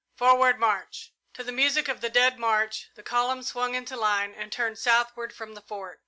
Forward march!" To the music of the Dead March the column swung into line and turned southward from the Fort.